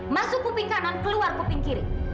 masuk kuping kanan keluar kuping kiri